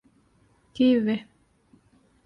ކީއްވެ؟